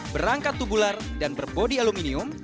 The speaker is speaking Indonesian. berangkat tubular dan berbodi aluminium